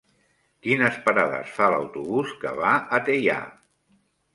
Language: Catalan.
Quines parades fa l'autobús que va a Teià?